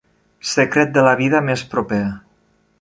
Secret de la vida més proper.